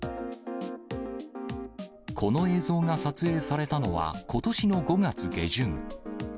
この映像が撮影されたのは、ことしの５月下旬。